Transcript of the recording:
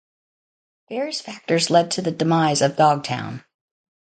Various factors led to the demise of Dogtown.